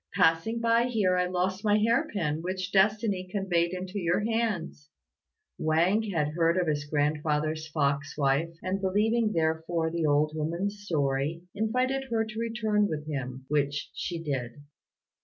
Passing by here I lost my hair pin, which destiny conveyed into your hands." Wang had heard of his grandfather's fox wife, and believing therefore the old woman's story, invited her to return with him, which she did.